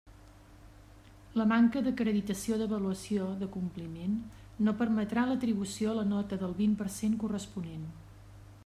La manca d'acreditació d'avaluació d'acompliment no permetrà l'atribució a la nota del vint per cent corresponent.